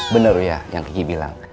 bener uya yang kiki bilang